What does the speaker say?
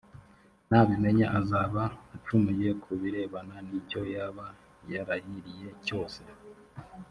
nabimenya azaba acumuye ku birebana n icyo yaba yarahiriye cyose